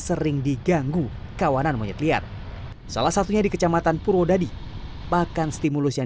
sering diganggu kawanan monyet liar salah satunya di kecamatan purwodadi bahkan stimulus yang